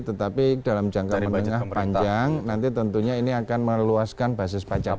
tetapi dalam jangka menengah panjang nanti tentunya ini akan meluaskan basis pajak